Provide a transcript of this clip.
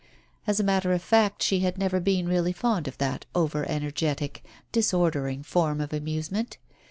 As a matter of fact, she had never been really fond of that over energetic, dis ordering form of amusement.